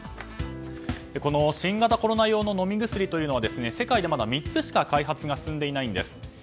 この新型コロナ用の飲み薬というのは世界でまだ３つしか開発が進んでいないんです。